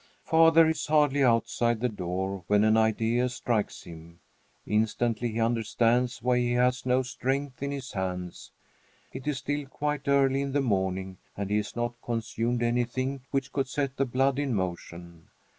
Father is hardly outside the door when an idea strikes him. Instantly he understands why he has no strength in his hands. It is still quite early in the morning and he has not consumed anything which could set the blood in motion.